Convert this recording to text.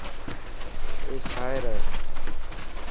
اي شاعر هي.